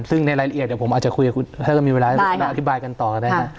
ซึ่งในรายละเอียดเดี๋ยวผมอาจจะคุยกับคุณท่านก็มีเวลาอธิบายกันต่อก็ได้นะ